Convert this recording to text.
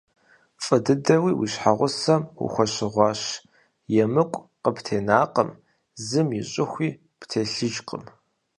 ФӀы дыдэуи уи щхьэгъусэм ухуэщыгъуащ, емыкӀу къыптенакъым, зым и щӀыхуи птелъыжкъым.